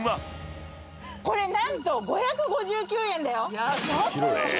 これ何と５５９円だよ。